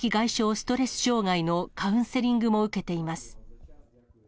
ストレス障害のカウンセリングも受けています。